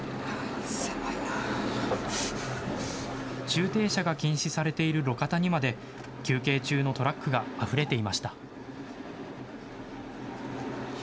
駐停車が禁止されている路肩にまで休憩中のトラックがあふれていました。